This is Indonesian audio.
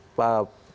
tantangan yang terjadi